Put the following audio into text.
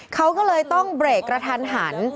เขาก็เลยต้องเบรกกระทันหัน